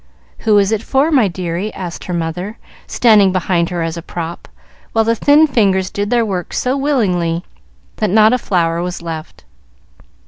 "Who is it for, my dearie?" asked her mother, standing behind her as a prop, while the thin fingers did their work so willingly that not a flower was left.